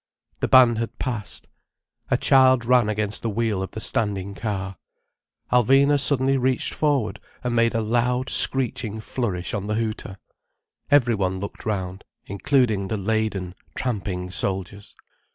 The band had passed. A child ran against the wheel of the standing car. Alvina suddenly reached forward and made a loud, screeching flourish on the hooter. Every one looked round, including the laden, tramping soldiers.